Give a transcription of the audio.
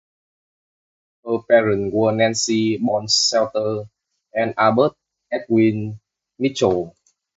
Her parents were Nancy (born Salter) and Albert Edwin Mitchell.